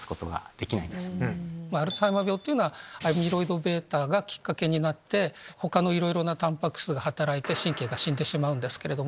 アルツハイマー病というのはアミロイドβがきっかけになって他のタンパク質が働いて神経が死んでしまうんですけども。